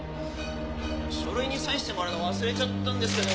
書類にサインしてもらうの忘れちゃったんですけど。